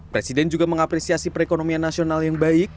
presiden juga mengapresiasi perekonomian nasional yang baik